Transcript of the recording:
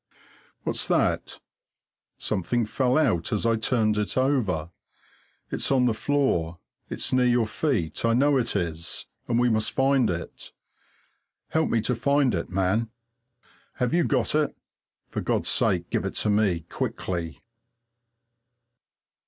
What's that? Something fell out as I turned it over. It's on the floor, it's near your feet, I know it is, and we must find it. Help me to find it, man. Have you got it? For God's sake, give it to me, quickly!